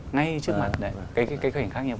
ngay trước mặt